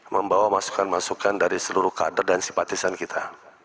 membawa masukan masukan dari seluruh kader dan simpatisan kita